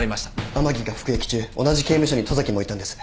甘木が服役中同じ刑務所に十崎もいたんです。